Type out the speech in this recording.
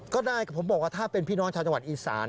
ก็ได้ผมบอกว่าถ้าเป็นพี่น้องชาวจังหวัดอีสาน